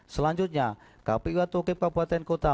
selanjutnya kpu atau kep kabupaten kota